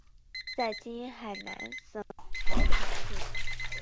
在今海南省海口市。